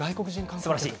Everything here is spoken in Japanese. すばらしい！